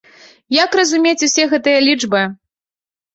Як разумець усе гэтыя лічбы?